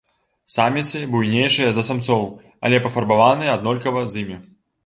Саміцы буйнейшыя за самцоў, але пафарбаваныя аднолькава з імі.